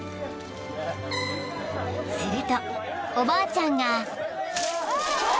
［するとおばあちゃんが］